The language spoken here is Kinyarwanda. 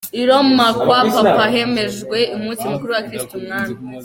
I Romakwa papa hemejwe umunsi mukuru wa Kristu umwami.